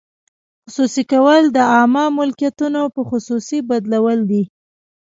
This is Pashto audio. خصوصي کول د عامه ملکیتونو په خصوصي بدلول دي.